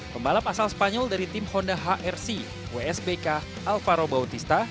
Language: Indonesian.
pembalap asal spanyol dari tim honda hrc wsbk alvaro bautista